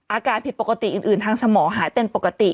อาการผิดปกติอื่นทางสมองหายเป็นปกติ